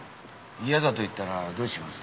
嫌だと言ったらどうします？